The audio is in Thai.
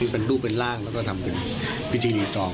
เป็นรูปเป็นร่างแล้วก็ทำเป็นพิธีรีซอง